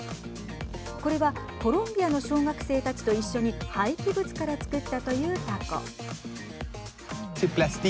これはコロンビアの小学生たちと一緒に廃棄物から作ったというたこ。